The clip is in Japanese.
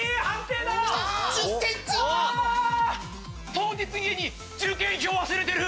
当日家に受験票忘れてる。